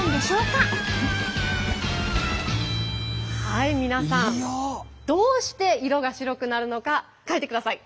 はい皆さんどうして色が白くなるのか書いてください。